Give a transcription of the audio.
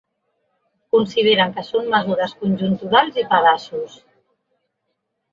Consideren que són mesures conjunturals i pedaços.